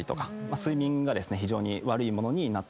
睡眠が非常に悪いものになってしまうんですね。